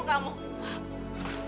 ranti tunggu tunggu ranti